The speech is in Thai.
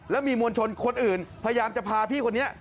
แล้วมีมวลชนคนอื่นพยายามจะพาพี่คนนี้